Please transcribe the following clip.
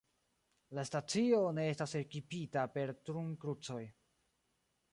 La stacio ne estas ekipita per turnkrucoj.